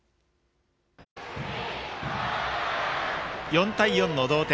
４対４の同点。